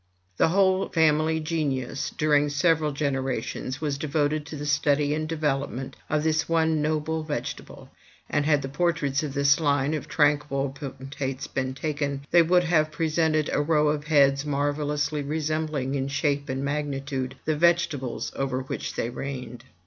The whole family genius, during several generations, was devoted to the study and development of this one noble vegetable; and had the portraits of this line of tranquil potentates been taken, they would have presented a row of heads marvellously resembling in shape and magnitude the vegetables over which they reigned.